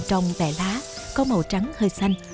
trong vẻ lá có màu trắng hơi xanh